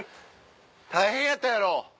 大変やったやろ？